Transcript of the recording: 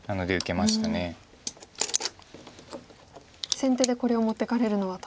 先手でこれを持っていかれるのはと。